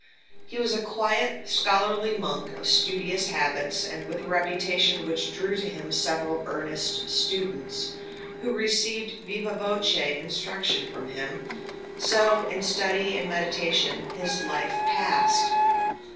He was a quiet, scholarly monk of studious habits, and with a reputation which drew to him several earnest students, who received vivâ voce instruction from him; so, in study and meditation, his life passed.